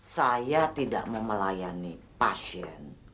saya tidak memelayani pasien